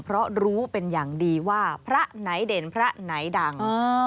เพราะรู้เป็นอย่างดีว่าพระไหนเด่นพระไหนดัง